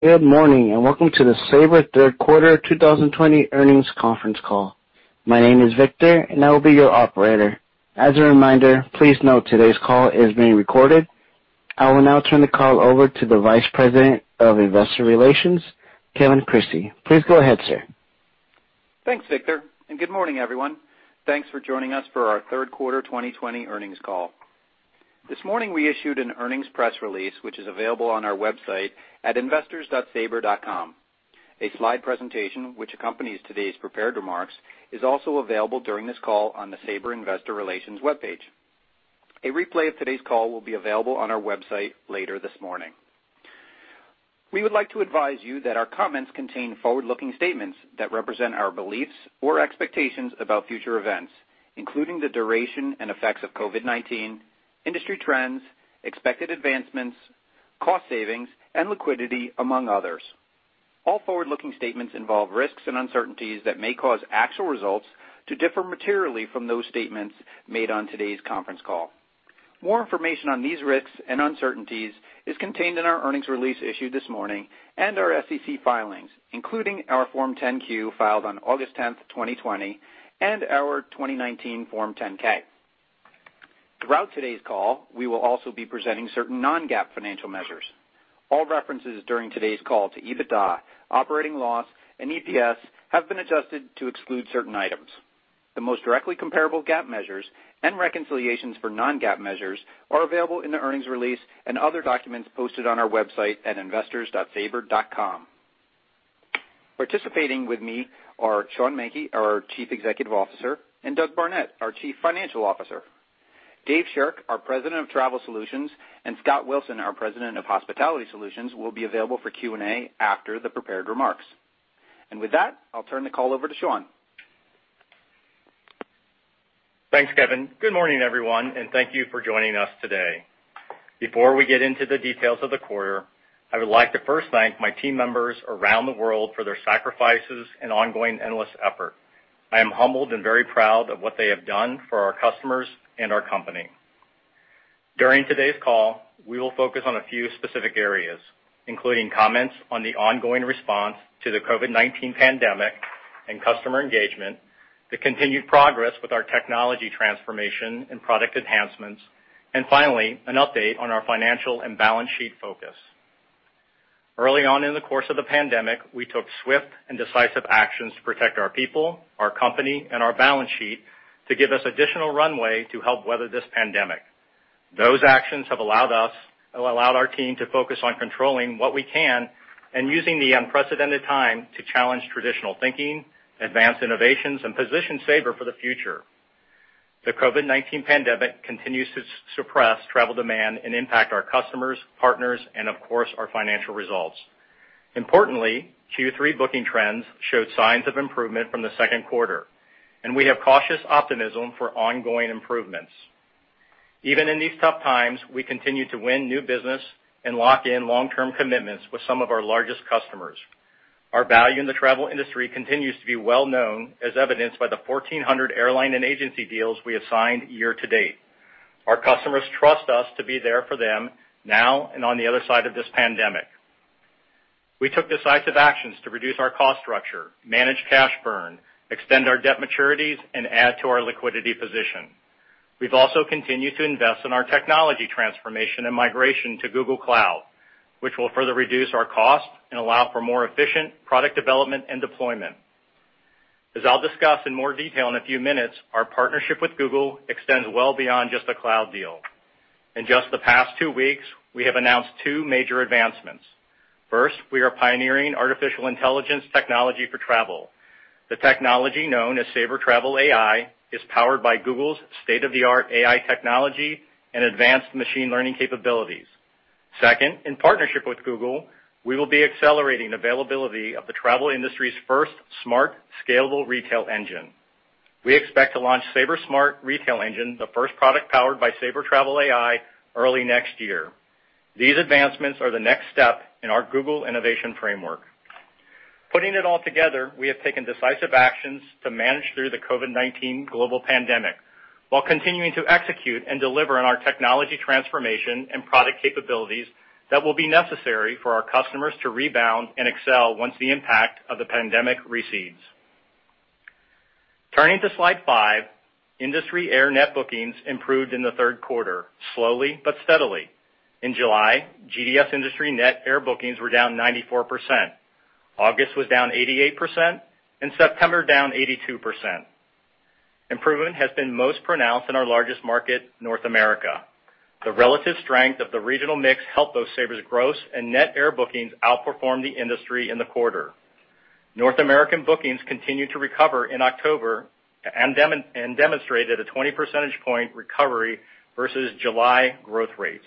Good morning, welcome to the Sabre Q3 2020 Earnings Conference Call. My name is Victor, and I will be your operator. As a reminder, please note today's call is being recorded. I will now turn the call over to the Vice President of Investor Relations, Kevin Crissey. Please go ahead, sir. Thanks, Victor. Good morning, everyone. Thanks for joining us for our Q3 2020 earnings call. This morning, we issued an earnings press release, which is available on our website at investors.sabre.com. A slide presentation, which accompanies today's prepared remarks, is also available during this call on the Sabre Investor Relations webpage. A replay of today's call will be available on our website later this morning. We would like to advise you that our comments contain forward-looking statements that represent our beliefs or expectations about future events, including the duration and effects of COVID-19, industry trends, expected advancements, cost savings, and liquidity, among others. All forward-looking statements involve risks and uncertainties that may cause actual results to differ materially from those statements made on today's conference call. More information on these risks and uncertainties is contained in our earnings release issued this morning and our SEC filings, including our Form 10-Q filed on August 10th, 2020, and our 2019 Form 10-K. Throughout today's call, we will also be presenting certain non-GAAP financial measures. All references during today's call to EBITDA, operating loss, and EPS have been adjusted to exclude certain items. The most directly comparable GAAP measures and reconciliations for non-GAAP measures are available in the earnings release and other documents posted on our website at investors.sabre.com. Participating with me are Sean Menke, our Chief Executive Officer, and Doug Barnett, our Chief Financial Officer. Dave Shirk, our President of Travel Solutions, and Scott Wilson, our President of Hospitality Solutions, will be available for Q&A after the prepared remarks. With that, I'll turn the call over to Sean. Thanks, Kevin. Good morning, everyone. Thank you for joining us today. Before we get into the details of the quarter, I would like to first thank my team members around the world for their sacrifices and ongoing endless effort. I am humbled and very proud of what they have done for our customers and our company. During today's call, we will focus on a few specific areas, including comments on the ongoing response to the COVID-19 pandemic and customer engagement, the continued progress with our technology transformation and product enhancements, and finally, an update on our financial and balance sheet focus. Early on in the course of the pandemic, we took swift and decisive actions to protect our people, our company, and our balance sheet to give us additional runway to help weather this pandemic. Those actions have allowed our team to focus on controlling what we can and using the unprecedented time to challenge traditional thinking, advance innovations, and position Sabre for the future. The COVID-19 pandemic continues to suppress travel demand and impact our customers, partners, and of course, our financial results. Importantly, Q3 booking trends showed signs of improvement from the Q2, and we have cautious optimism for ongoing improvements. Even in these tough times, we continue to win new business and lock in long-term commitments with some of our largest customers. Our value in the travel industry continues to be well known, as evidenced by the 1,400 airline and agency deals we have signed year to date. Our customers trust us to be there for them now and on the other side of this pandemic. We took decisive actions to reduce our cost structure, manage cash burn, extend our debt maturities, and add to our liquidity position. We've also continued to invest in our technology transformation and migration to Google Cloud, which will further reduce our cost and allow for more efficient product development and deployment. As I'll discuss in more detail in a few minutes, our partnership with Google extends well beyond just a cloud deal. In just the past two weeks, we have announced two major advancements. First, we are pioneering artificial intelligence technology for travel. The technology, known as Sabre Travel AI, is powered by Google's state-of-the-art AI technology and advanced machine learning capabilities. Second, in partnership with Google, we will be accelerating availability of the travel industry's first smart, scalable retail engine. We expect to launch Sabre Smart Retail Engine, the first product powered by Sabre Travel AI, early next year. These advancements are the next step in our Google innovation framework. Putting it all together, we have taken decisive actions to manage through the COVID-19 global pandemic while continuing to execute and deliver on our technology transformation and product capabilities that will be necessary for our customers to rebound and excel once the impact of the pandemic recedes. Turning to slide five, industry air net bookings improved in the Q3, slowly but steadily. In July, GDS industry net air bookings were down 94%. August was down 88%, September down 82%. Improvement has been most pronounced in our largest market, North America. The relative strength of the regional mix helped both Sabre's gross and net air bookings outperform the industry in the quarter. North American bookings continued to recover in October and demonstrated a 20 percentage point recovery versus July growth rates.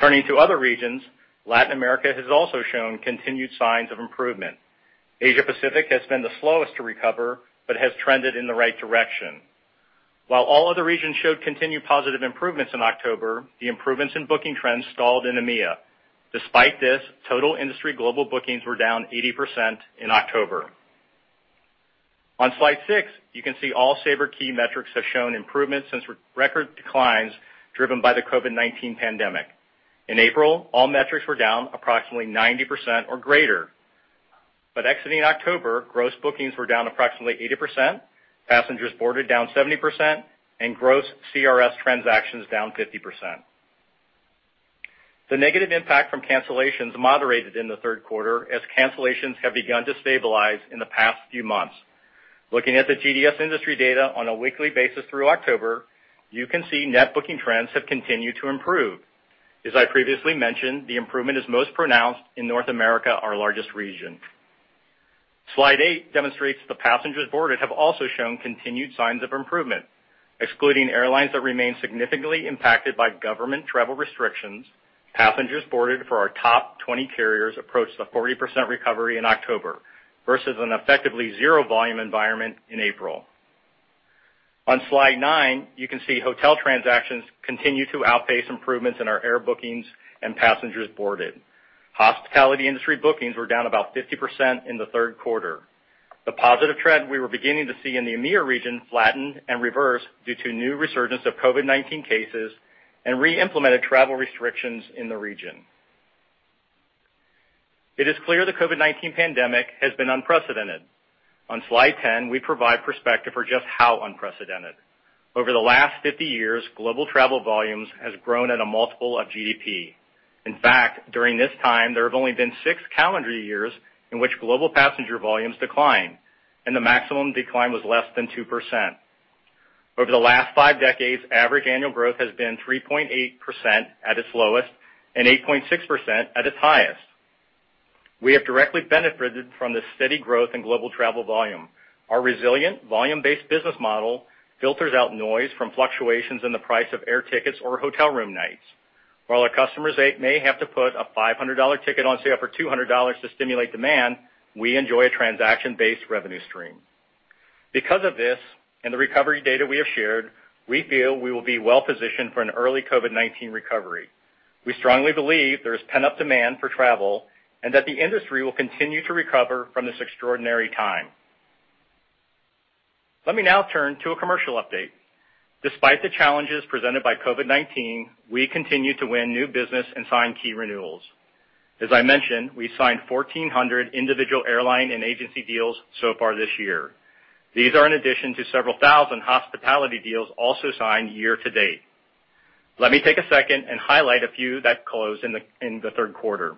Turning to other regions, Latin America has also shown continued signs of improvement. Asia Pacific has been the slowest to recover but has trended in the right direction. While all other regions showed continued positive improvements in October, the improvements in booking trends stalled in EMEA. Despite this, total industry global bookings were down 80% in October. On slide six, you can see all Sabre key metrics have shown improvement since record declines driven by the COVID-19 pandemic. In April, all metrics were down approximately 90% or greater. Exiting October, gross bookings were down approximately 80%, passengers boarded down 70%, and gross CRS transactions down 50%. The negative impact from cancellations moderated in the Q3, as cancellations have begun to stabilize in the past few months. Looking at the GDS industry data on a weekly basis through October, you can see net booking trends have continued to improve. As I previously mentioned, the improvement is most pronounced in North America, our largest region. Slide eight demonstrates the passengers boarded have also shown continued signs of improvement. Excluding airlines that remain significantly impacted by government travel restrictions, passengers boarded for our top 20 carriers approached a 40% recovery in October versus an effectively zero volume environment in April. On slide nine, you can see hotel transactions continue to outpace improvements in our air bookings and passengers boarded. Hospitality industry bookings were down about 50% in the third quarter. The positive trend we were beginning to see in the EMEA region flattened and reversed due to new resurgence of COVID-19 cases and re-implemented travel restrictions in the region. It is clear the COVID-19 pandemic has been unprecedented. On slide 10, we provide perspective for just how unprecedented. Over the last 50 years, global travel volumes has grown at a multiple of GDP. In fact, during this time, there have only been six calendar years in which global passenger volumes declined, and the maximum decline was less than two percent. Over the last five decades, average annual growth has been 3.8% at its lowest and 8.6% at its highest. We have directly benefited from the steady growth in global travel volume. Our resilient volume-based business model filters out noise from fluctuations in the price of air tickets or hotel room nights. While our customers may have to put a $500 ticket on sale for $200 to stimulate demand, we enjoy a transaction-based revenue stream. Because of this and the recovery data we have shared, we feel we will be well positioned for an early COVID-19 recovery. We strongly believe there is pent-up demand for travel and that the industry will continue to recover from this extraordinary time. Let me now turn to a commercial update. Despite the challenges presented by COVID-19, we continue to win new business and sign key renewals. As I mentioned, we signed 1,400 individual airline and agency deals so far this year. These are in addition to several thousand hospitality deals also signed year to date. Let me take a second and highlight a few that closed in the third quarter.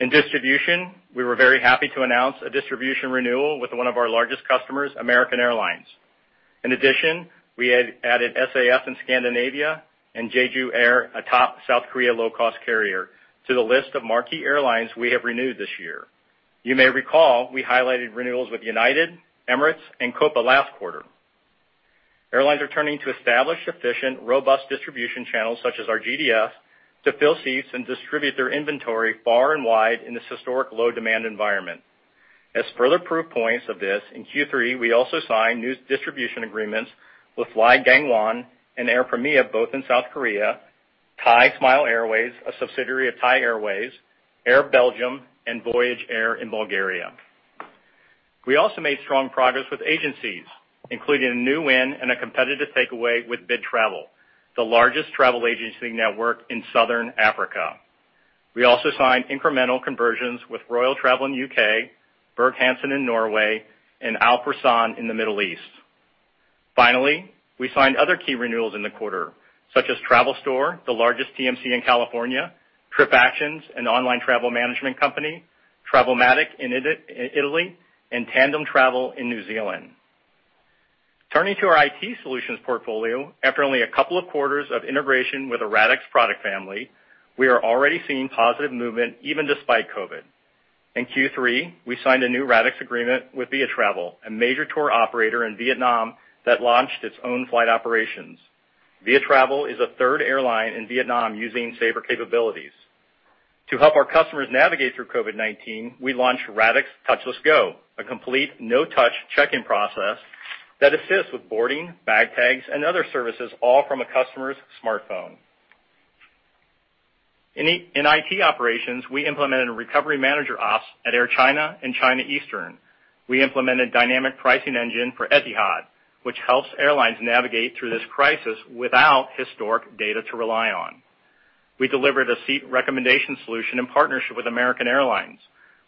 In distribution, we were very happy to announce a distribution renewal with one of our largest customers, American Airlines. In addition, we added SAS in Scandinavia and Jeju Air, a top South Korea low-cost carrier, to the list of marquee airlines we have renewed this year. You may recall we highlighted renewals with United, Emirates, and Copa last quarter. Airlines are turning to established, efficient, robust distribution channels such as our GDS to fill seats and distribute their inventory far and wide in this historic low-demand environment. As further proof points of this, in Q3, we also signed new distribution agreements with Fly Gangwon and Air Premia both in South Korea, Thai Smile Airways, a subsidiary of Thai Airways, Air Belgium, and Voyage Air in Bulgaria. We also made strong progress with agencies, including a new win and a competitive takeaway with BidTravel, the largest travel agency network in Southern Africa. We also signed incremental conversions with Royal Travel in U.K., Berg-Hansen in Norway, and Al Fursan in the Middle East. Finally, we signed other key renewals in the quarter, such as TravelStore, the largest TMC in California, TripActions, an online travel management company, Travelmatic in Italy, and Tandem Travel in New Zealand. Turning to our IT solutions portfolio, after only a couple of quarters of integration with the Radixx product family, we are already seeing positive movement even despite COVID-19. In Q3, we signed a new Radixx agreement with Vietravel, a major tour operator in Vietnam that launched its own flight operations. Vietravel is a third airline in Vietnam using Sabre capabilities. To help our customers navigate through COVID-19, we launched Radixx Go Touchless, a complete no-touch check-in process that assists with boarding, bag tags and other services, all from a customer's smartphone. In IT operations, we implemented a Recovery Manager Operations at Air China and China Eastern. We implemented dynamic pricing engine for Etihad, which helps airlines navigate through this crisis without historic data to rely on. We delivered a seat recommendation solution in partnership with American Airlines,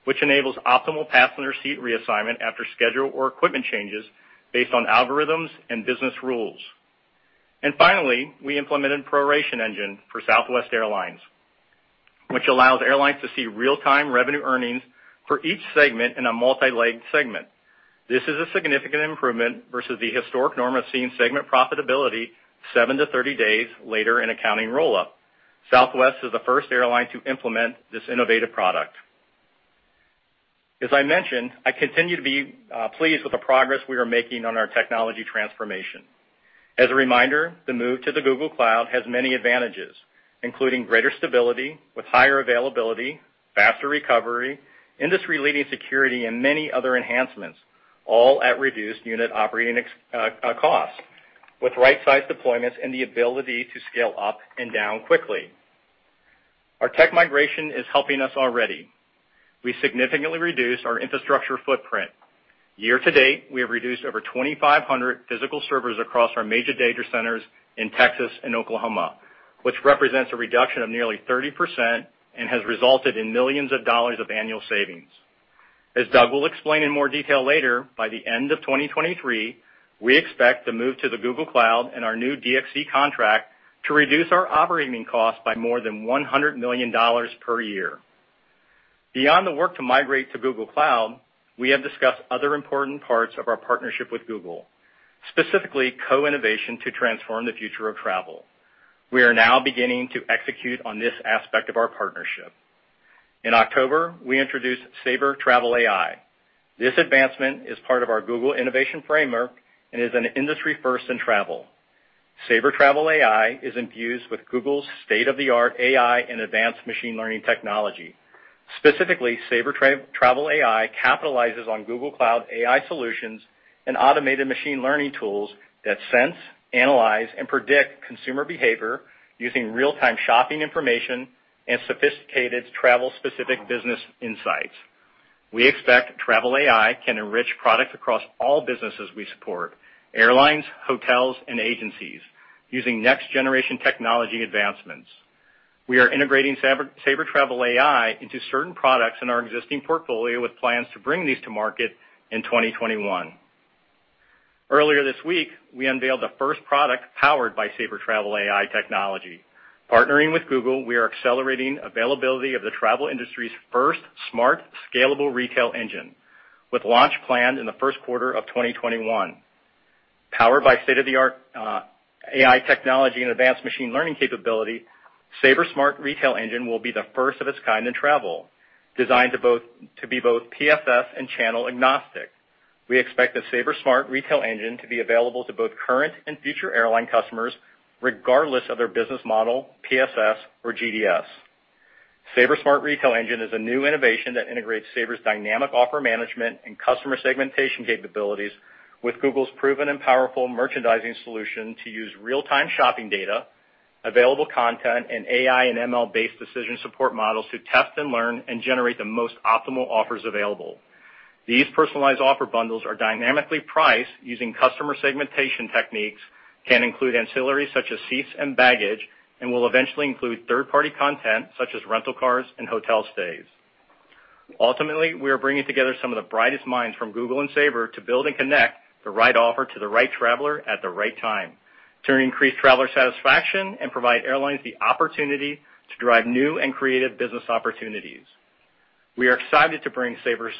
which enables optimal passenger seat reassignment after schedule or equipment changes based on algorithms and business rules. Finally, we implemented proration engine for Southwest Airlines, which allows airlines to see real-time revenue earnings for each segment in a multi-legged segment. This is a significant improvement versus the historic norm of seeing segment profitability 7 - 30 days later in accounting roll-up. Southwest is the first airline to implement this innovative product. As I mentioned, I continue to be pleased with the progress we are making on our technology transformation. As a reminder, the move to the Google Cloud has many advantages, including greater stability with higher availability, faster recovery, industry-leading security, and many other enhancements, all at reduced unit operating cost with right-sized deployments and the ability to scale up and down quickly. Our tech migration is helping us already. We significantly reduced our infrastructure footprint. Year to date, we have reduced over 2,500 physical servers across our major data centers in Texas and Oklahoma, which represents a reduction of nearly 30% and has resulted in millions of dollars of annual savings. As Doug will explain in more detail later, by the end of 2023, we expect to move to the Google Cloud and our new DXC contract to reduce our operating costs by more than $100 million per year. Beyond the work to migrate to Google Cloud, we have discussed other important parts of our partnership with Google, specifically co-innovation to transform the future of travel. We are now beginning to execute on this aspect of our partnership. In October, we introduced Sabre Travel AI. This advancement is part of our Google innovation framework and is an industry first in travel. Sabre Travel AI is infused with Google's state-of-the-art AI and advanced machine learning technology. Specifically, Sabre Travel AI capitalizes on Google Cloud AI solutions and automated machine learning tools that sense, analyze, and predict consumer behavior using real-time shopping information and sophisticated travel-specific business insights. We expect Travel AI can enrich products across all businesses we support, airlines, hotels, and agencies, using next-generation technology advancements. We are integrating Sabre Travel AI into certain products in our existing portfolio, with plans to bring these to market in 2021. Earlier this week, we unveiled the first product powered by Sabre Travel AI technology. Partnering with Google, we are accelerating availability of the travel industry's first smart, scalable retail engine, with launch planned in the Q1 of 2021. Powered by state-of-the-art AI technology and advanced machine learning capability, Sabre Smart Retail Engine will be the first of its kind in travel, designed to be both PSS and channel agnostic. We expect the Sabre Smart Retail Engine to be available to both current and future airline customers, regardless of their business model, PSS or GDS. Sabre Smart Retail Engine is a new innovation that integrates Sabre's dynamic offer management and customer segmentation capabilities with Google's proven and powerful merchandising solution to use real-time shopping data, available content, and AI and ML-based decision support models to test and learn and generate the most optimal offers available. These personalized offer bundles are dynamically priced using customer segmentation techniques, can include ancillaries such as seats and baggage, and will eventually include third-party content such as rental cars and hotel stays. Ultimately, we are bringing together some of the brightest minds from Google and Sabre to build and connect the right offer to the right traveler at the right time to increase traveler satisfaction and provide airlines the opportunity to drive new and creative business opportunities. We are excited to bring Sabre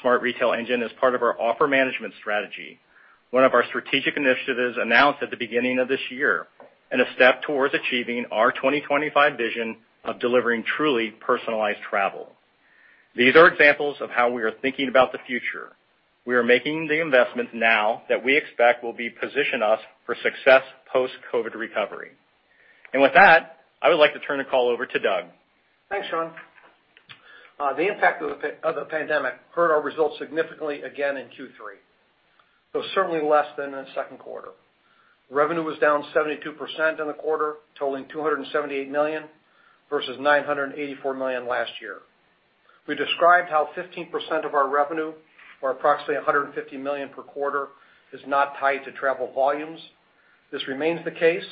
Smart Retail Engine as part of our offer management strategy, one of our strategic initiatives announced at the beginning of this year and a step towards achieving our 2025 vision of delivering truly personalized travel. These are examples of how we are thinking about the future. We are making the investments now that we expect will position us for success post-COVID recovery. With that, I would like to turn the call over to Doug. Thanks, Sean. The impact of the pandemic hurt our results significantly again in Q3, though certainly less than in the Q2. Revenue was down 72% in the quarter, totaling $278 million versus $984 million last year. We described how 15% of our revenue, or approximately $150 million per quarter, is not tied to travel volumes. This remains the case.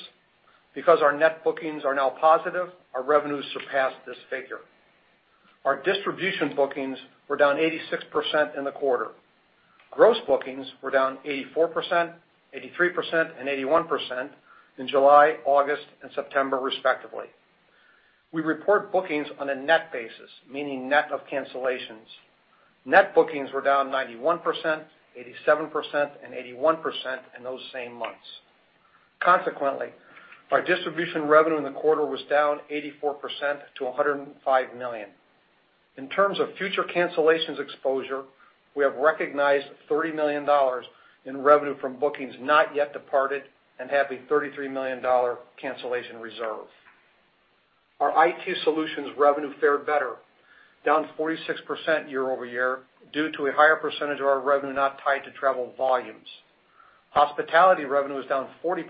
Because our net bookings are now positive, our revenues surpassed this figure. Our distribution bookings were down 86% in the quarter. Gross bookings were down 84%, 83%, and 81% in July, August, and September, respectively. We report bookings on a net basis, meaning net of cancellations. Net bookings were down 91%, 87%, and 81% in those same months. Consequently, our distribution revenue in the quarter was down 84%- $105 million. In terms of future cancellations exposure, we have recognized $30 million in revenue from bookings not yet departed and have a $33 million cancellation reserve. Our IT solutions revenue fared better, down 46% year-over-year due to a higher percentage of our revenue not tied to travel volumes. Hospitality revenue is down 40%,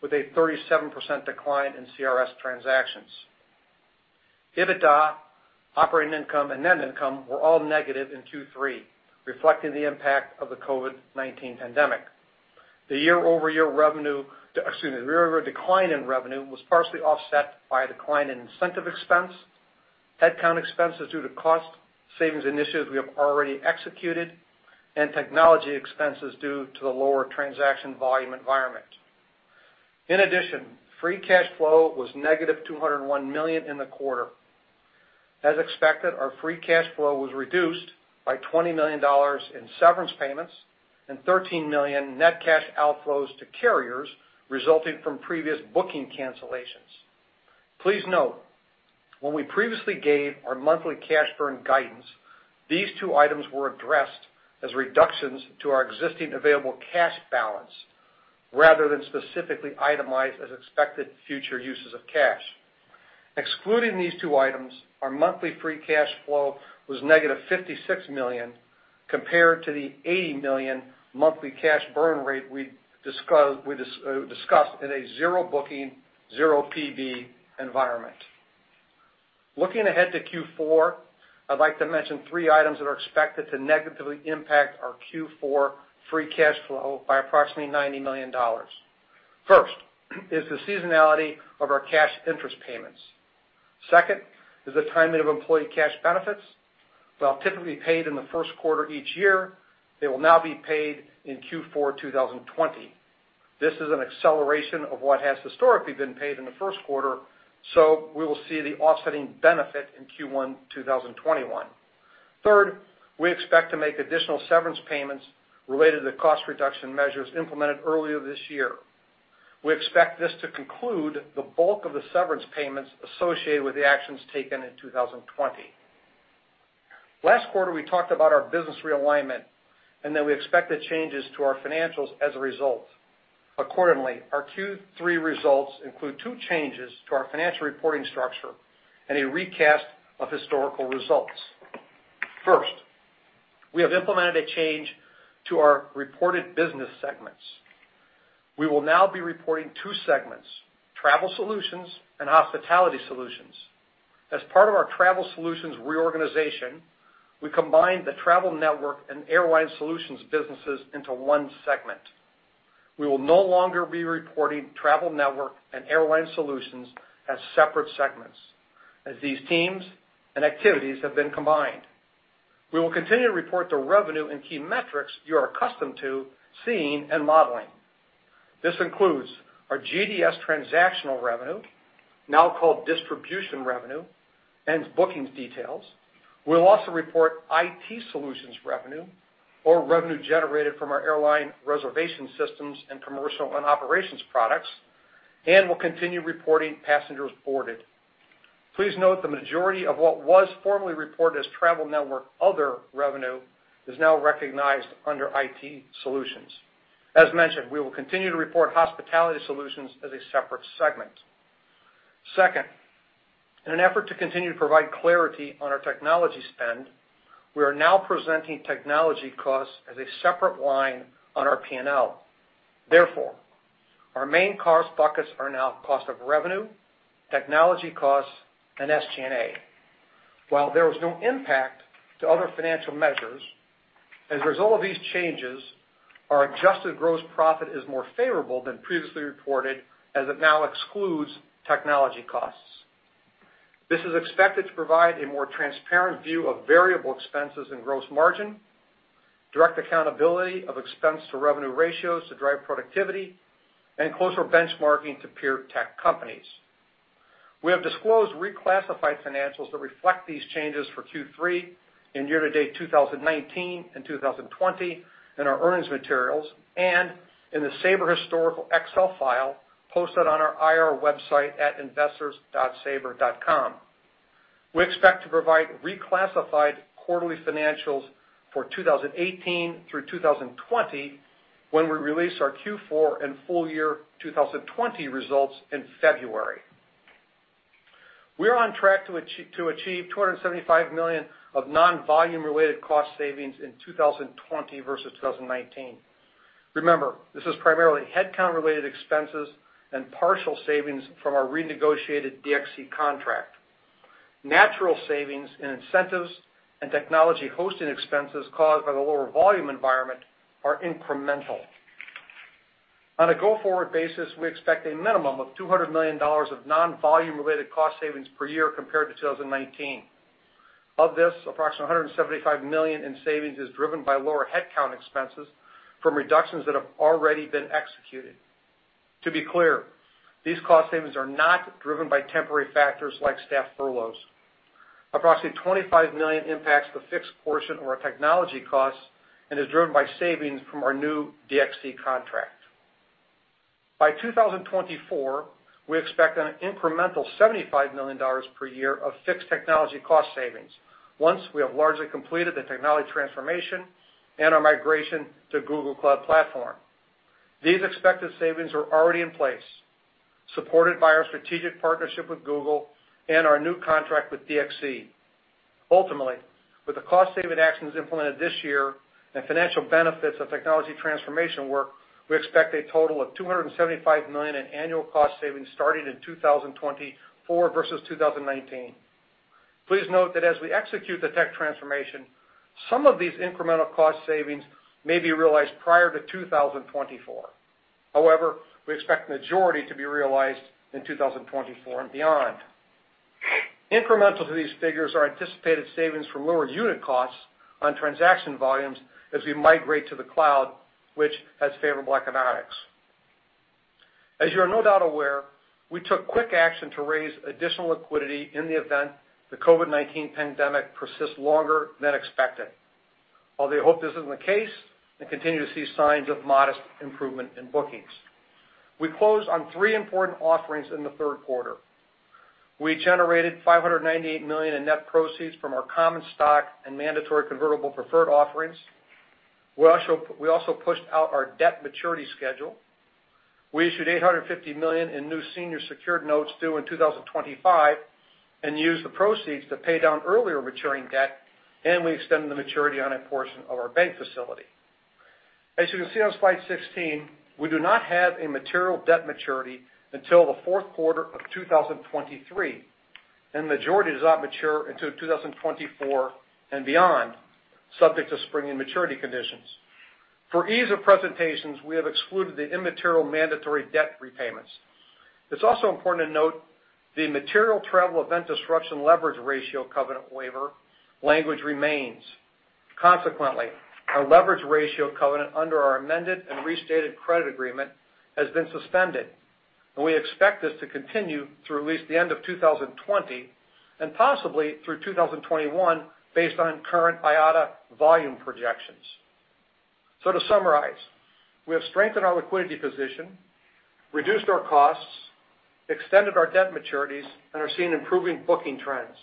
with a 37% decline in CRS transactions. EBITDA, operating income, and net income were all negative in Q3, reflecting the impact of the COVID-19 pandemic. The year-over-year revenue, excuse me, the year-over-year decline in revenue was partially offset by a decline in incentive expense, headcount expenses due to cost savings initiatives we have already executed, and technology expenses due to the lower transaction volume environment. In addition, free cash flow was negative $201 million in the quarter. As expected, our free cash flow was reduced by $20 million in severance payments and $13 million net cash outflows to carriers resulting from previous booking cancellations. Please note, when we previously gave our monthly cash burn guidance, these two items were addressed as reductions to our existing available cash balance rather than specifically itemized as expected future uses of cash. Excluding these two items, our monthly free cash flow was negative $56 million compared to the $80 million monthly cash burn rate we discussed in a zero booking, zero PB environment. Looking ahead to Q4, I'd like to mention three items that are expected to negatively impact our Q4 free cash flow by approximately $90 million. First is the seasonality of our cash interest payments. Second is the timing of employee cash benefits. While typically paid in the first quarter each year, they will now be paid in Q4 2020. This is an acceleration of what has historically been paid in the Q1, so we will see the offsetting benefit in Q1 2021. Third, we expect to make additional severance payments related to cost reduction measures implemented earlier this year. We expect this to conclude the bulk of the severance payments associated with the actions taken in 2020. Last quarter, we talked about our business realignment and that we expected changes to our financials as a result. Accordingly, our Q3 results include two changes to our financial reporting structure and a recast of historical results. First, we have implemented a change to our reported business segments. We will now be reporting two segments, Travel Solutions and Hospitality Solutions. As part of our Travel Solutions reorganization, we combined the travel network and airline solutions businesses into one segment. We will no longer be reporting Travel Solutions and Airline Solutions as separate segments, as these teams and activities have been combined. We will continue to report the revenue and key metrics you are accustomed to seeing and modeling. This includes our GDS transactional revenue, now called distribution revenue, and bookings details. We'll also report IT Solutions revenue or revenue generated from our airline reservation systems and commercial and operations products, and we'll continue reporting passengers boarded. Please note the majority of what was formerly reported as Travel Solutions other revenue is now recognized under IT Solutions. As mentioned, we will continue to report Hospitality Solutions as a separate segment. Second, in an effort to continue to provide clarity on our technology spend, we are now presenting technology costs as a separate line on our P&L. Our main cost buckets are now cost of revenue, technology costs, and SG&A. While there is no impact to other financial measures, as a result of these changes, our adjusted gross profit is more favorable than previously reported, as it now excludes technology costs. This is expected to provide a more transparent view of variable expenses and gross margin, direct accountability of expense to revenue ratios to drive productivity, and closer benchmarking to peer tech companies. We have disclosed reclassified financials that reflect these changes for Q3 in year-to-date 2019 and 2020 in our earnings materials, and in the Sabre historical Excel file posted on our IR website at investors.sabre.com. We expect to provide reclassified quarterly financials for 2018 through 2020 when we release our Q4 and full year 2020 results in February. We are on track to achieve $275 million of non-volume related cost savings in 2020 versus 2019. Remember, this is primarily headcount related expenses and partial savings from our renegotiated DXC contract. Natural savings in incentives and technology hosting expenses caused by the lower volume environment are incremental. On a go-forward basis, we expect a minimum of $200 million of non-volume related cost savings per year compared to 2019. Of this, approximately $175 million in savings is driven by lower headcount expenses from reductions that have already been executed. To be clear, these cost savings are not driven by temporary factors like staff furloughs. Approximately $25 million impacts the fixed portion of our technology costs and is driven by savings from our new DXC contract. By 2024, we expect an incremental $75 million per year of fixed technology cost savings once we have largely completed the technology transformation and our migration to Google Cloud Platform. These expected savings are already in place, supported by our strategic partnership with Google and our new contract with DXC. Ultimately, with the cost saving actions implemented this year and financial benefits of technology transformation work, we expect a total of $275 million in annual cost savings starting in 2024 versus 2019. Please note that as we execute the tech transformation, some of these incremental cost savings may be realized prior to 2024. However, we expect the majority to be realized in 2024 and beyond. Incremental to these figures are anticipated savings from lower unit costs on transaction volumes as we migrate to the cloud, which has favorable economics. As you are no doubt aware, we took quick action to raise additional liquidity in the event the COVID-19 pandemic persists longer than expected, although I hope this isn't the case and continue to see signs of modest improvement in bookings. We closed on three important offerings in the Q3. We generated $598 million in net proceeds from our common stock and mandatory convertible preferred offerings. We also pushed out our debt maturity schedule. We issued $850 million in new senior secured notes due in 2025 and used the proceeds to pay down earlier maturing debt, and we extended the maturity on a portion of our bank facility. As you can see on slide 16, we do not have a material debt maturity until theQ4 of 2023, and the majority does not mature until 2024 and beyond, subject to spring and maturity conditions. For ease of presentations, we have excluded the immaterial mandatory debt repayments. It's also important to note the material travel event disruption leverage ratio covenant waiver language remains. Consequently, our leverage ratio covenant under our amended and restated credit agreement has been suspended. We expect this to continue through at least the end of 2020 and possibly through 2021 based on current IATA volume projections. To summarize, we have strengthened our liquidity position, reduced our costs, extended our debt maturities, and are seeing improving booking trends.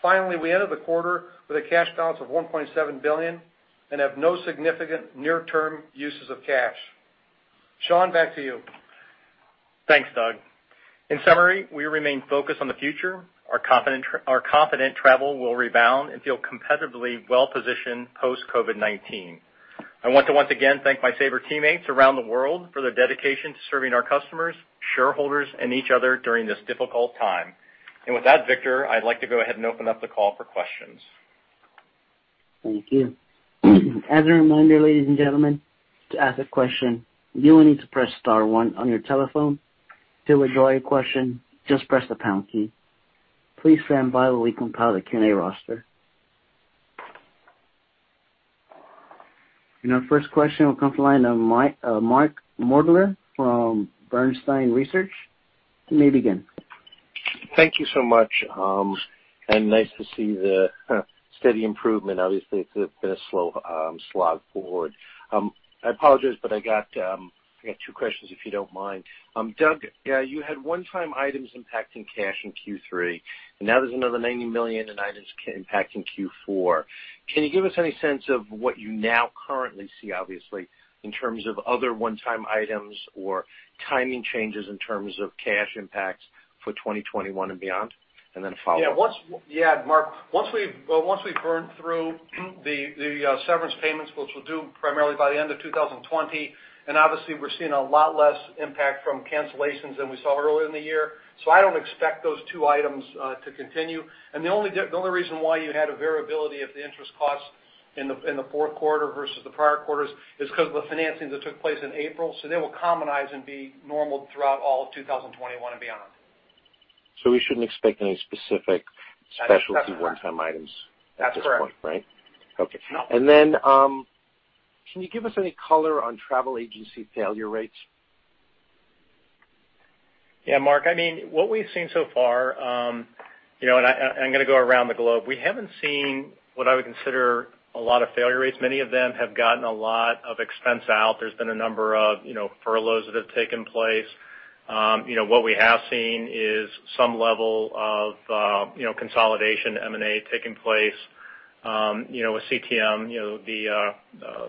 Finally, we ended the quarter with a cash balance of $1.7 billion and have no significant near-term uses of cash. Sean, back to you. Thanks, Doug. In summary, we remain focused on the future. We are confident travel will rebound and feel competitively well-positioned post-COVID-19. I want to once again thank my Sabre teammates around the world for their dedication to serving our customers, shareholders, and each other during this difficult time. With that, Victor, I'd like to go ahead and open up the call for questions. Thank you. As a reminder, ladies and gentlemen, to ask a question, you will need to press star one on your telephone. To withdraw your question, just press the pound key. Please stand by while we compile the Q&A roster. Our first question will come from the line of Mark Moerdler from Bernstein Research. You may begin. Thank you so much. Nice to see the steady improvement. Obviously, it's been a slow slog forward. I apologize. I got two questions, if you don't mind. Doug, you had one-time items impacting cash in Q3, and now there's another $90 million in items impacting Q4. Can you give us any sense of what you now currently see, obviously, in terms of other one-time items or timing changes in terms of cash impacts for 2021 and beyond? A follow-up. Yeah, Mark. Once we burn through the severance payments, which we're due primarily by the end of 2020, obviously we're seeing a lot less impact from cancellations than we saw earlier in the year. I don't expect those two items to continue. The only reason why you had a variability of the interest cost in the Q4 versus the prior quarters is because of the financings that took place in April. They will commonize and be normal throughout all of 2021 and beyond. We shouldn't expect any specific specialty one-time items. That's correct. at this point, right? No. Okay. Can you give us any color on travel agency failure rates? Yeah, Mark. What we've seen so far, and I'm going to go around the globe. We haven't seen what I would consider a lot of failure rates. Many of them have gotten a lot of expense out. There's been a number of furloughs that have taken place. What we have seen is some level of consolidation, M&A taking place with CTM, the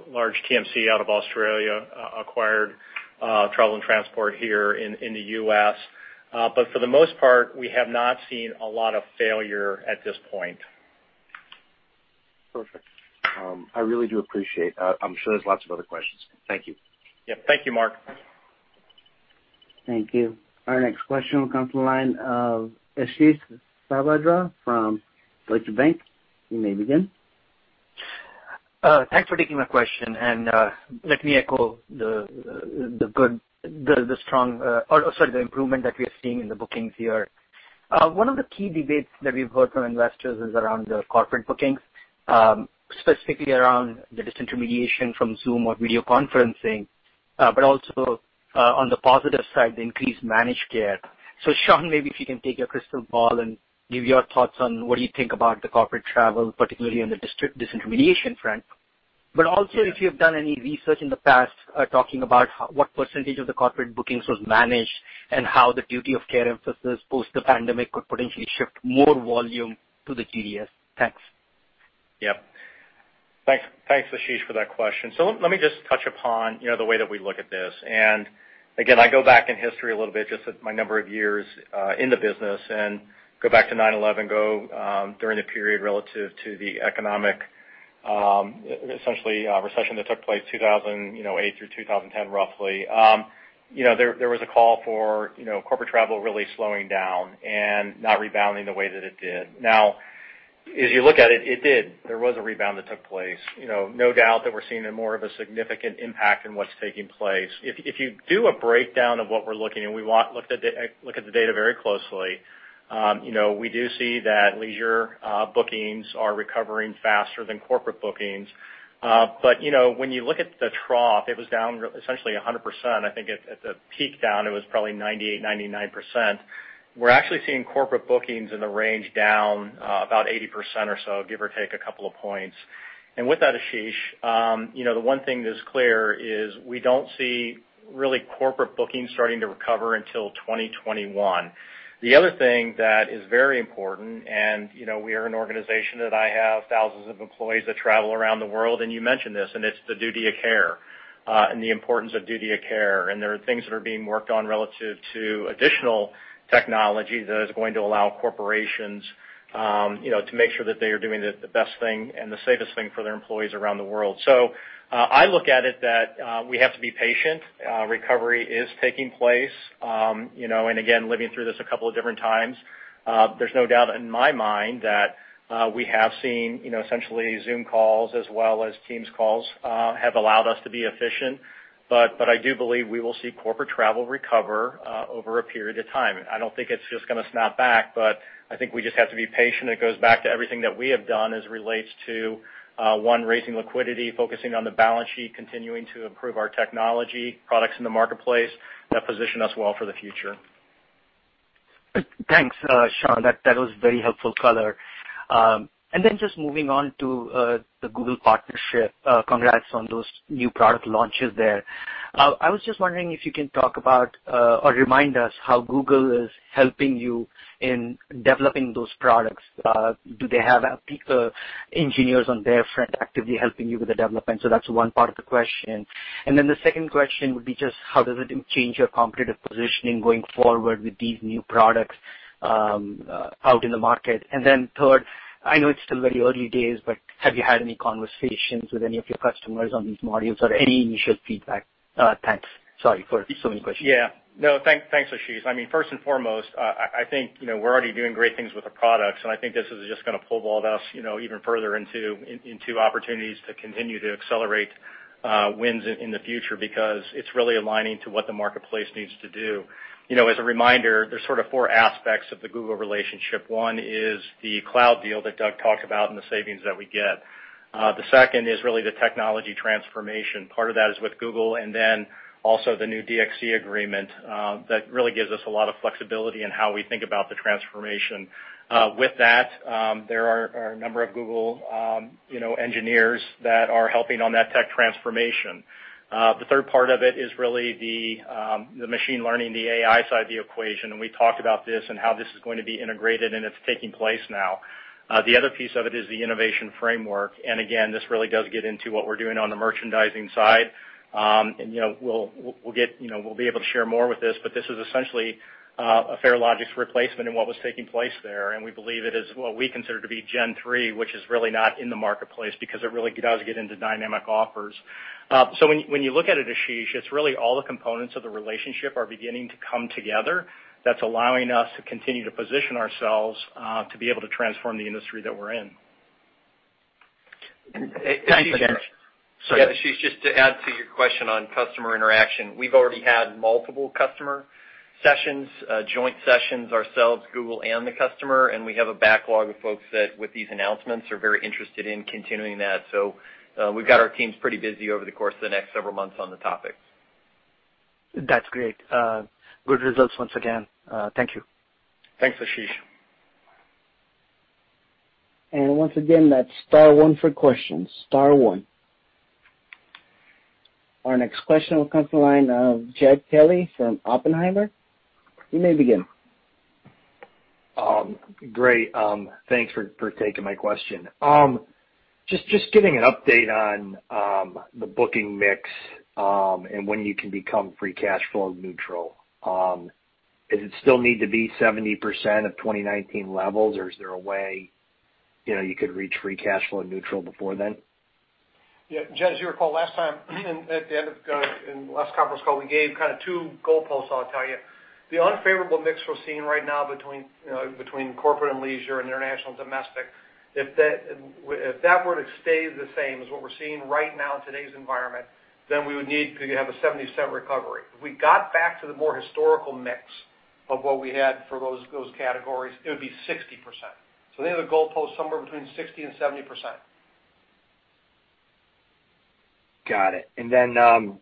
large TMC out of Australia acquired Travel and Transport here in the U.S. For the most part, we have not seen a lot of failure at this point. Perfect. I really do appreciate. I'm sure there's lots of other questions. Thank you. Yep. Thank you, Mark. Thank you. Our next question will come from the line of Ashish Sabadra from Deutsche Bank. You may begin. Thanks for taking my question. Let me echo the improvement that we are seeing in the bookings here. One of the key debates that we've heard from investors is around the corporate bookings, specifically around the disintermediation from Zoom or video conferencing, but also on the positive side, the increased managed care. Sean, maybe if you can take your crystal ball and give your thoughts on what you think about the corporate travel, particularly on the disintermediation front. Also if you have done any research in the past talking about what percentage of the corporate bookings was managed and how the duty of care emphasis post the pandemic could potentially shift more volume to the GDS. Thanks. Yep. Thanks, Ashish, for that question. Let me just touch upon the way that we look at this. Again, I go back in history a little bit just at my number of years in the business and go back to 9/11, go during the period relative to the economic essentially recession that took place 2008 through 2010, roughly. There was a call for corporate travel really slowing down and not rebounding the way that it did. As you look at it did. There was a rebound that took place. No doubt that we're seeing a more of a significant impact in what's taking place. If you do a breakdown of what we're looking, and we looked at the data very closely, we do see that leisure bookings are recovering faster than corporate bookings. When you look at the trough, it was down essentially 100%. I think at the peak down, it was probably 98%, 99%. We're actually seeing corporate bookings in the range down about 80% or so, give or take a couple of points. With that, Ashish, the one thing that's clear is we don't see really corporate bookings starting to recover until 2021. The other thing that is very important, we are an organization that I have thousands of employees that travel around the world, and you mentioned this, it's the duty of care and the importance of duty of care. There are things that are being worked on relative to additional technology that is going to allow corporations to make sure that they are doing the best thing and the safest thing for their employees around the world. I look at it that we have to be patient. Recovery is taking place, again, living through this a couple of different times, there's no doubt in my mind that we have seen essentially Zoom calls as well as Teams calls have allowed us to be efficient. I do believe we will see corporate travel recover over a period of time. I don't think it's just going to snap back, I think we just have to be patient. It goes back to everything that we have done as it relates to one, raising liquidity, focusing on the balance sheet, continuing to improve our technology products in the marketplace that position us well for the future. Thanks, Sean. That was very helpful color. Just moving on to the Google partnership, congrats on those new product launches there. I was just wondering if you can talk about, or remind us how Google is helping you in developing those products. Do they have people, engineers on their front actively helping you with the development? That's one part of the question. The second question would be just how does it change your competitive positioning going forward with these new products out in the market? Third, I know it's still very early days, but have you had any conversations with any of your customers on these modules or any initial feedback? Thanks. Sorry for so many questions. Yeah. No, thanks, Ashish. First and foremost, I think we're already doing great things with our products, and I think this is just going to pull all of us even further into opportunities to continue to accelerate wins in the future because it's really aligning to what the marketplace needs to do. As a reminder, there's sort of four aspects of the Google relationship. One is the cloud deal that Doug talked about and the savings that we get. The second is really the technology transformation. Part of that is with Google and then also the new DXC agreement that really gives us a lot of flexibility in how we think about the transformation. With that, there are a number of Google engineers that are helping on that tech transformation. The third part of it is really the machine learning, the AI side of the equation, and we talked about this and how this is going to be integrated, and it's taking place now. The other piece of it is the innovation framework, and again, this really does get into what we're doing on the merchandising side. We'll be able to share more with this, but this is essentially a Farelogix replacement in what was taking place there, and we believe it is what we consider to be gen three, which is really not in the marketplace because it really does get into dynamic offers. When you look at it, Ashish, it's really all the components of the relationship are beginning to come together that's allowing us to continue to position ourselves to be able to transform the industry that we're in. Thanks again. Sorry. Ashish, just to add to your question on customer interaction, we've already had multiple customer sessions, joint sessions ourselves, Google, and the customer, we have a backlog of folks that, with these announcements, are very interested in continuing that. We've got our teams pretty busy over the course of the next several months on the topics. That's great. Good results once again. Thank you. Thanks, Ashish. Once again, that's star one for questions. Star one. Our next question will come from the line of Jed Kelly from Oppenheimer. You may begin. Great. Thanks for taking my question. Just getting an update on the booking mix, and when you can become free cash flow neutral. Does it still need to be 70% of 2019 levels, or is there a way you could reach free cash flow neutral before then? Yeah. Jed, as you recall last time, in the last conference call, we gave two goalposts, I'll tell you. The unfavorable mix we're seeing right now between corporate and leisure and international and domestic, if that were to stay the same as what we're seeing right now in today's environment, then we would need to have a 77% recovery. If we got back to the more historical mix of what we had for those categories, it would be 60%. Think of the goalpost somewhere between 60% and 70%. Got it.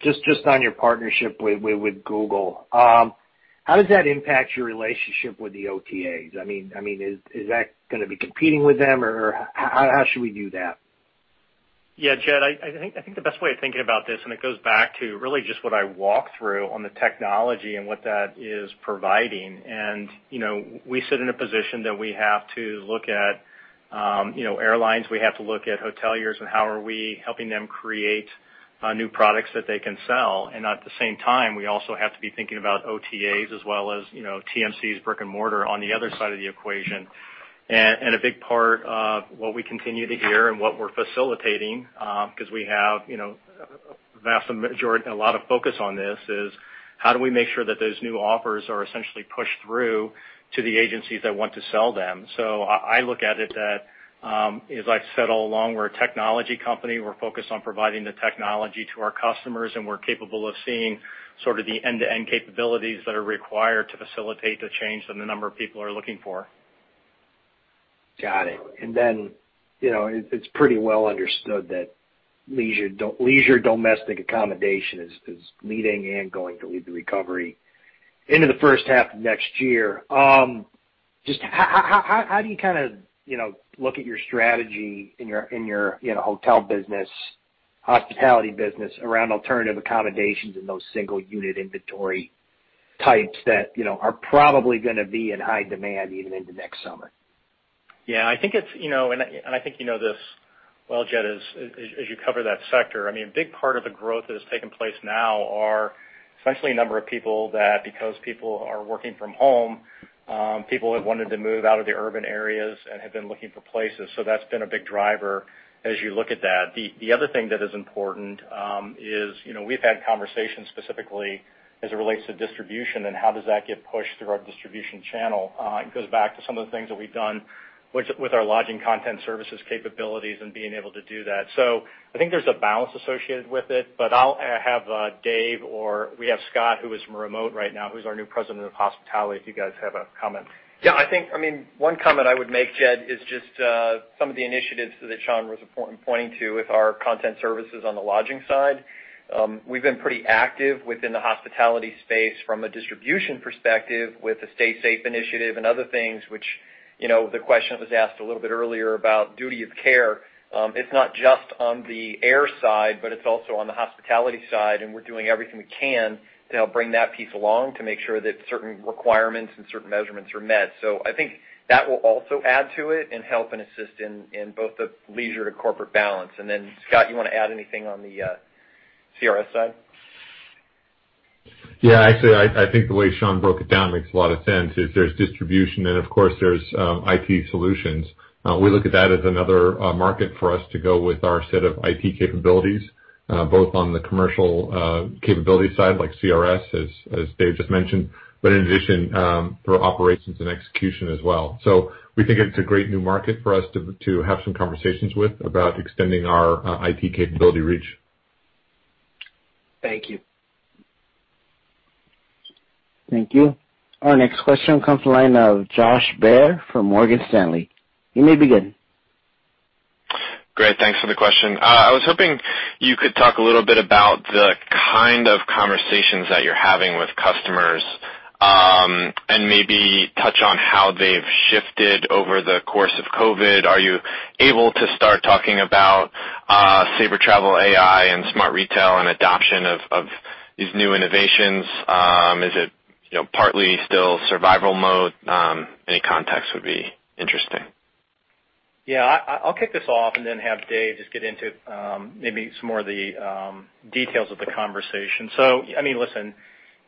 Just on your partnership with Google, how does that impact your relationship with the OTAs? Is that going to be competing with them, or how should we view that? Yeah, Jed, I think the best way of thinking about this, and it goes back to really just what I walked through on the technology and what that is providing. We sit in a position that we have to look at airlines, we have to look at hoteliers and how are we helping them create new products that they can sell. At the same time, we also have to be thinking about OTAs as well as TMCs, brick and mortar on the other side of the equation. A big part of what we continue to hear and what we're facilitating because we have a lot of focus on this is how do we make sure that those new offers are essentially pushed through to the agencies that want to sell them. I look at it that as I said all along, we're a technology company. We're focused on providing the technology to our customers, and we're capable of seeing sort of the end-to-end capabilities that are required to facilitate the change that a number of people are looking for. Got it. It's pretty well understood that leisure domestic accommodation is leading and going to lead the recovery into the first half of next year. Just how do you look at your strategy in your hotel business, hospitality business around alternative accommodations and those single unit inventory types that are probably going to be in high demand even into next summer? Yeah, I think you know this well, Jed, as you cover that sector. A big part of the growth that has taken place now are essentially a number of people that because people are working from home, people have wanted to move out of the urban areas and have been looking for places. That's been a big driver as you look at that. The other thing that is important, is we've had conversations specifically as it relates to distribution and how does that get pushed through our distribution channel. It goes back to some of the things that we've done with our Content Services for Lodging capabilities and being able to do that. I think there's a balance associated with it, but I'll have Dave or we have Scott, who is remote right now, who's our new president of hospitality, if you guys have a comment. Yeah, I think one comment I would make, Jed, is just some of the initiatives that Sean was pointing to with our content services on the lodging side. We've been pretty active within the hospitality space from a distribution perspective with the Stay Safe Initiative and other things which, the question that was asked a little bit earlier about duty of care. It's not just on the air side, but it's also on the hospitality side, and we're doing everything we can to help bring that piece along to make sure that certain requirements and certain measurements are met. I think that will also add to it and help and assist in both the leisure to corporate balance. Scott, you want to add anything on the CRS side? Yeah, actually, I think the way Sean broke it down makes a lot of sense, is there's distribution and of course there's IT solutions. We look at that as another market for us to go with our set of IT capabilities, both on the commercial capability side, like CRS, as Dave just mentioned, but in addition, for operations and execution as well. We think it's a great new market for us to have some conversations with about extending our IT capability reach. Thank you. Thank you. Our next question comes the line of Josh Baer from Morgan Stanley. You may begin. Great. Thanks for the question. I was hoping you could talk a little bit about the kind of conversations that you're having with customers, and maybe touch on how they've shifted over the course of COVID. Are you able to start talking about Sabre Travel AI and Smart Retail and adoption of these new innovations? Is it partly still survival mode? Any context would be interesting. Yeah. I'll kick this off and then have Dave just get into maybe some more of the details of the conversation. Listen,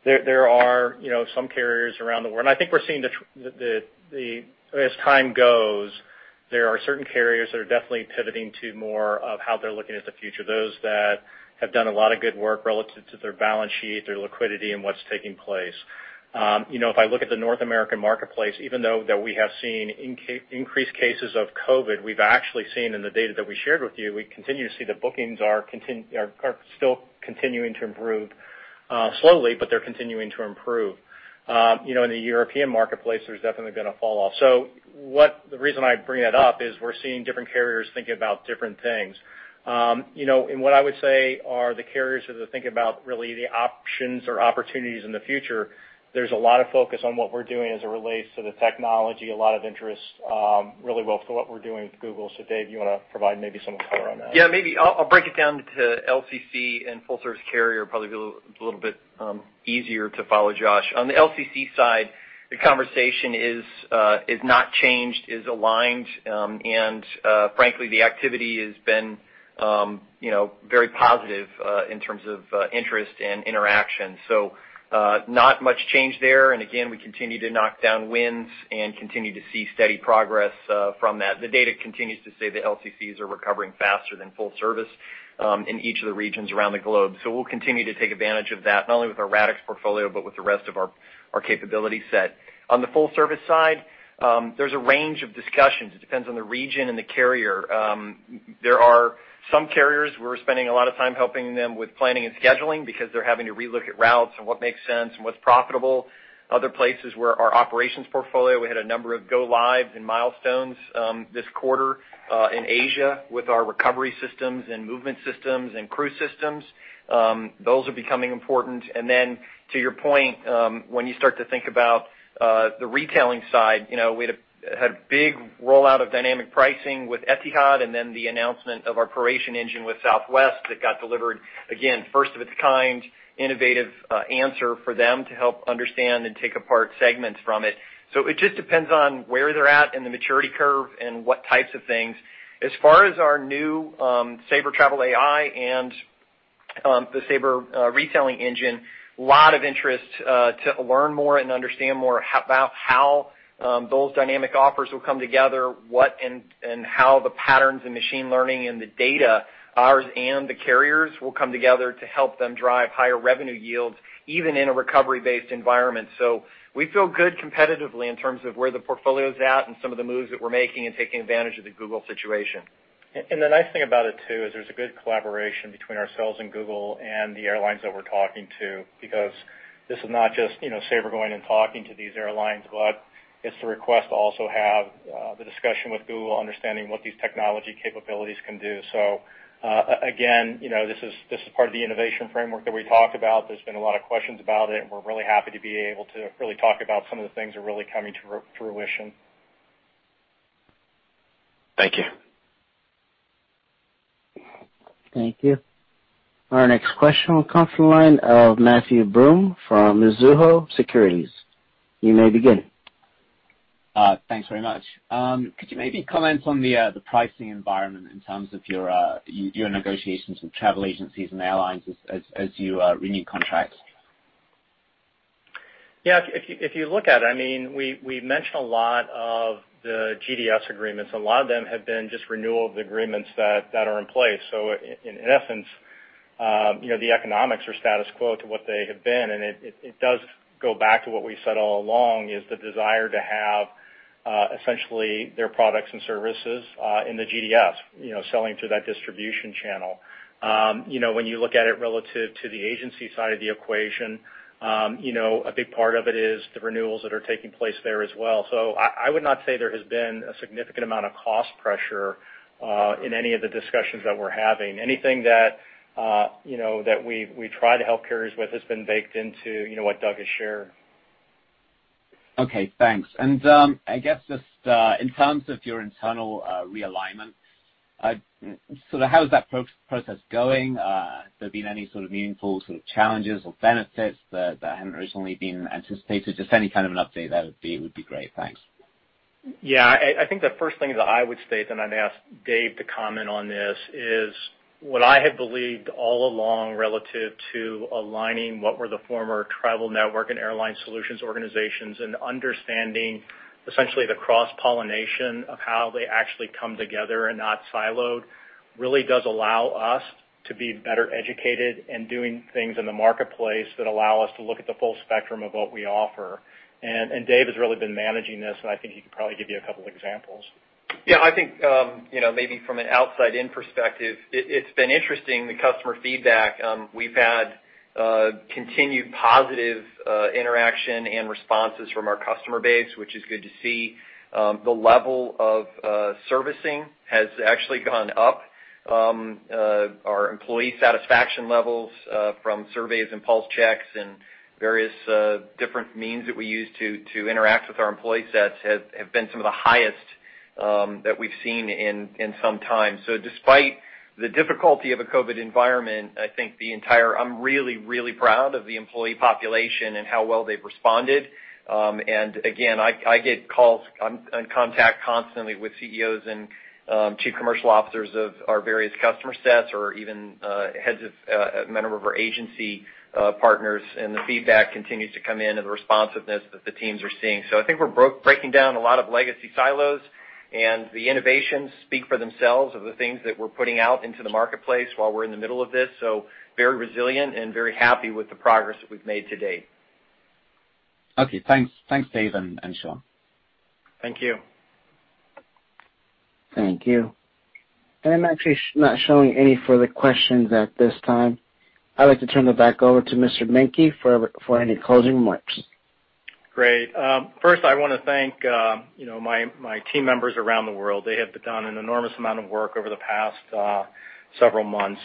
there are some carriers around the world, I think we're seeing as time goes, there are certain carriers that are definitely pivoting to more of how they're looking at the future. Those that have done a lot of good work relative to their balance sheet, their liquidity, and what's taking place. If I look at the North American marketplace, even though that we have seen increased cases of COVID, we've actually seen in the data that we shared with you, we continue to see the bookings are still continuing to improve. Slowly, but they're continuing to improve. In the European marketplace, there's definitely been a fall off. The reason I bring that up is we're seeing different carriers thinking about different things. What I would say are the carriers that are thinking about really the options or opportunities in the future, there's a lot of focus on what we're doing as it relates to the technology, a lot of interest really well for what we're doing with Google. Dave, you want to provide maybe some color on that? Yeah, maybe I'll break it down to LCC and full service carrier, probably be a little bit easier to follow, Josh. On the LCC side, the conversation is not changed, is aligned. Frankly, the activity has been very positive in terms of interest and interaction. Not much change there. Again, we continue to knock down wins and continue to see steady progress from that. The data continues to say the LCCs are recovering faster than full service in each of the regions around the globe. We'll continue to take advantage of that, not only with our Radix portfolio, but with the rest of our capability set. On the full service side, there's a range of discussions. It depends on the region and the carrier. There are some carriers we're spending a lot of time helping them with planning and scheduling because they're having to relook at routes and what makes sense and what's profitable. Other places where our operations portfolio, we had a number of go lives and milestones this quarter, in Asia with our recovery systems and movement systems and crew systems. Those are becoming important. Then to your point, when you start to think about the retailing side, we had a big rollout of dynamic pricing with Etihad and then the announcement of our Proration Engine with Southwest that got delivered, again, first of its kind, innovative answer for them to help understand and take apart segments from it. It just depends on where they're at in the maturity curve and what types of things. As far as our new Sabre Travel AI and the Sabre Smart Retail Engine, lot of interest to learn more and understand more about how those dynamic offers will come together, what and how the patterns and machine learning and the data, ours and the carriers will come together to help them drive higher revenue yields, even in a recovery-based environment. We feel good competitively in terms of where the portfolio's at and some of the moves that we're making and taking advantage of the Google situation. The nice thing about it too, is there's a good collaboration between ourselves and Google and the airlines that we're talking to because this is not just Sabre going and talking to these airlines, but it's the request to also have the discussion with Google, understanding what these technology capabilities can do. Again, this is part of the innovation framework that we talked about. There's been a lot of questions about it, and we're really happy to be able to really talk about some of the things that are really coming to fruition. Thank you. Thank you. Our next question will come from the line of Matthew Broome from Mizuho Securities. You may begin. Thanks very much. Could you maybe comment on the pricing environment in terms of your negotiations with travel agencies and airlines as you renew contracts? Yeah. If you look at it, we mentioned a lot of the GDS agreements. A lot of them have been just renewal of the agreements that are in place. In essence, the economics are status quo to what they have been, and it does go back to what we said all along, is the desire to have essentially their products and services in the GDS, selling through that distribution channel. When you look at it relative to the agency side of the equation, a big part of it is the renewals that are taking place there as well. I would not say there has been a significant amount of cost pressure in any of the discussions that we're having. Anything that we try to help carriers with has been baked into what Doug has shared. Okay, thanks. I guess just in terms of your internal realignment, how is that process going? Have there been any meaningful challenges or benefits that hadn't originally been anticipated? Just any kind of an update there would be great. Thanks. Yeah. I think the first thing that I would state, then I'd ask Dave to comment on this, is what I have believed all along relative to aligning what were the former Travel Network and Airline Solutions organizations and understanding essentially the cross-pollination of how they actually come together and not siloed, really does allow us to be better educated and doing things in the marketplace that allow us to look at the full spectrum of what we offer. Dave has really been managing this, and I think he could probably give you a couple examples. I think maybe from an outside-in perspective, it's been interesting, the customer feedback. We've had continued positive interaction and responses from our customer base, which is good to see. The level of servicing has actually gone up. Our employee satisfaction levels from surveys and pulse checks and various different means that we use to interact with our employee sets have been some of the highest that we've seen in some time. Despite the difficulty of a COVID-19 environment, I'm really, really proud of the employee population and how well they've responded. Again, I get calls. I'm in contact constantly with CEOs and Chief Commercial Officers of our various customer sets or even heads of many of our agency partners, and the feedback continues to come in and the responsiveness that the teams are seeing. I think we're breaking down a lot of legacy silos, and the innovations speak for themselves of the things that we're putting out into the marketplace while we're in the middle of this. Very resilient and very happy with the progress that we've made to date. Okay, thanks. Thanks, Dave and Sean. Thank you. Thank you. I'm actually not showing any further questions at this time. I'd like to turn it back over to Mr. Menke for any closing remarks. Great. First I want to thank my team members around the world. They have done an enormous amount of work over the past several months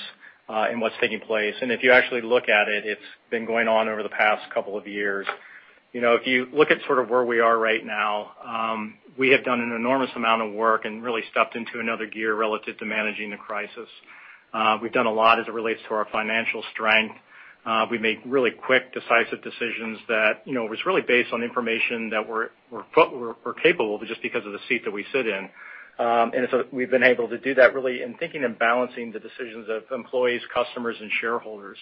in what's taking place. If you actually look at it's been going on over the past couple of years. If you look at sort of where we are right now, we have done an enormous amount of work and really stepped into another gear relative to managing the crisis. We've done a lot as it relates to our financial strength. We made really quick, decisive decisions that was really based on information that we're capable of just because of the seat that we sit in. So we've been able to do that really in thinking and balancing the decisions of employees, customers, and shareholders.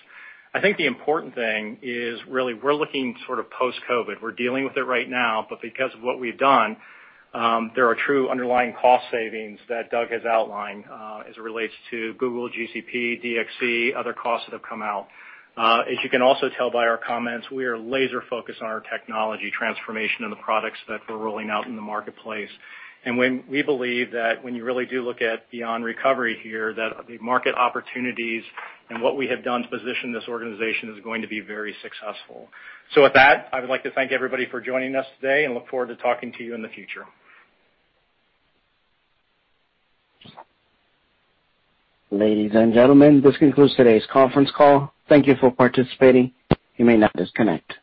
I think the important thing is really we're looking sort of post-COVID. We're dealing with it right now, but because of what we've done, there are true underlying cost savings that Doug has outlined as it relates to Google, GCP, DXC, other costs that have come out. As you can also tell by our comments, we are laser focused on our technology transformation and the products that we're rolling out in the marketplace. We believe that when you really do look at beyond recovery here, that the market opportunities and what we have done to position this organization is going to be very successful. With that, I would like to thank everybody for joining us today and look forward to talking to you in the future. Ladies and gentlemen, this concludes today's conference call. Thank you for participating. You may now disconnect.